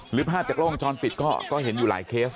หรือภาพจากโลหะงปิดก็เห็นอยู่หลายเคส